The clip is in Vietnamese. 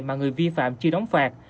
mà người vi phạm chưa đóng phạt